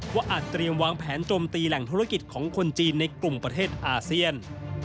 อาจเตรียมวางแผนโจมตีแหล่งธุรกิจของคนจีนในกลุ่มประเทศอาเซียน